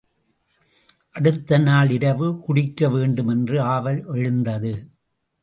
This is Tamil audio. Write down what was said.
அடுத்த நாள் இரவு குடிக்க வேண்டும் என்ற ஆவல் எழுந்தது.